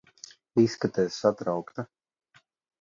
Izskaties satraukta.